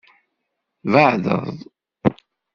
Tbeɛdeḍ.